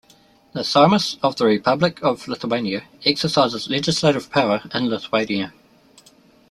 The Seimas of the Republic of Lithuania exercises legislative power in Lithuania.